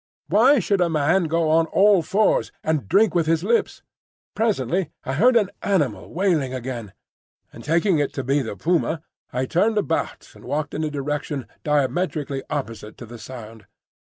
Why should a man go on all fours and drink with his lips? Presently I heard an animal wailing again, and taking it to be the puma, I turned about and walked in a direction diametrically opposite to the sound.